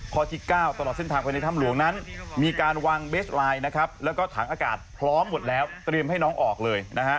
ข้อที่๙ตลอดเส้นทางภายในถ้ำหลวงนั้นมีการวางเบสไลน์นะครับแล้วก็ถังอากาศพร้อมหมดแล้วเตรียมให้น้องออกเลยนะฮะ